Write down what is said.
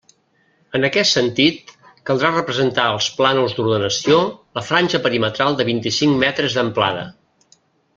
En aquest sentit caldrà representar als plànols d'ordenació la franja perimetral de vint-i-cinc metres d'amplada.